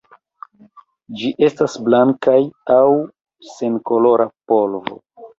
Ĝi estas blankaj aŭ senkolora polvo.